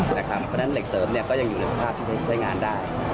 เพราะฉะนั้นเหล็กเสริมก็ยังอยู่ในสภาพที่ใช้งานได้